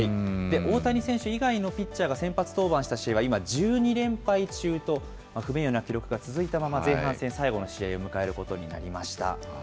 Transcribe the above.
大谷選手以外のピッチャーが先発登板した試合は、今、１２連敗中と、不名誉な記録が続いたまま、前半戦最後の試合を迎えることになりました。